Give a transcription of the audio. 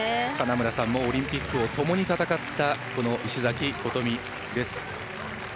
金村さんもオリンピックをともに戦った石崎琴美です。